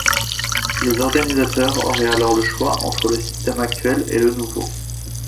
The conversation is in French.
Les organisateurs auraient alors le choix entre le système actuel et le nouveau.